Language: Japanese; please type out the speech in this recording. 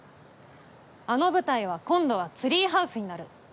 あの舞台は今度はツリーハウスになる。